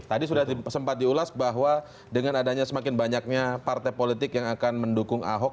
tadi sudah sempat diulas bahwa dengan adanya semakin banyaknya partai politik yang akan mendukung ahok